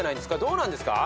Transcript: どうなんですか？